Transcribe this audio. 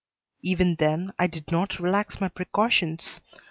Even then I did not relax my precautions.